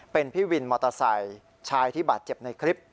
เป็นพี่วินมอเตอร์ไซค์ชายที่บาดเจ็บในคลิป